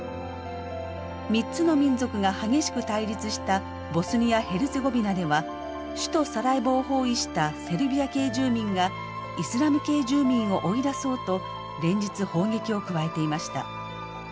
３つの民族が激しく対立したボスニア・ヘルツェゴビナでは首都サラエボを包囲したセルビア系住民がイスラム系住民を追い出そうと連日砲撃を加えていました。